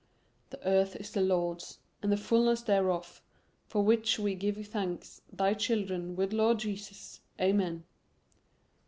"The earth is the Lord's and the fullness thereof ... for which we give thanks, thy children, with Lord Jesus, Amen!"